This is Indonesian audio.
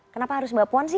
kenapa harus mbak puan sih